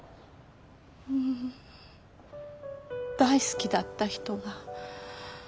ううん大好きだった人が。